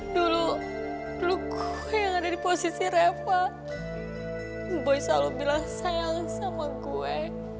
dulu dulu gue yang ada di posisi reva boy selalu bilang sayang sama gue